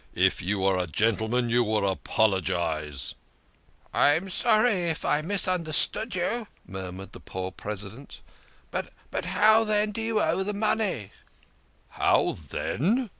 If you are a gentleman, you will apologise !"" I am sorry if I misunderstood," murmured the poor President, " but how, then, do you owe the money? " "How, then?"